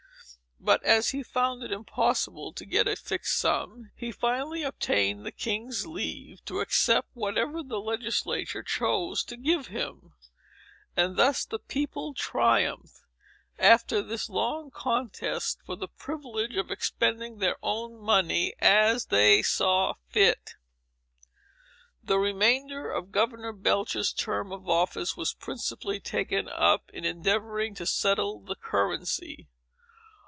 But, as he found it impossible to get a fixed sum, he finally obtained the king's leave to accept whatever the legislature chose to give him. And thus the people triumphed, after this long contest for the privilege of expending their own money as they saw fit. The remainder of Governor Belcher's term of office was principally taken up in endeavoring to settle the currency.